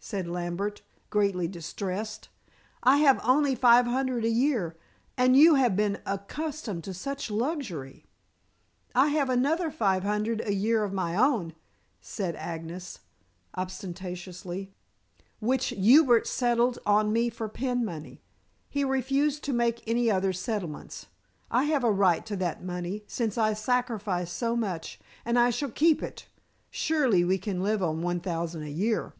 said Lambert, greatly distressed. "I have only five hundred a year, and you have been accustomed to such luxury." "I have another five hundred a year of my own," said Agnes obstinately, "which Hubert settled on me for pin money. He refused to make any other settlements. I have a right to that money, since I sacrificed so much, and I shall keep it. Surely we can live on one thousand a year."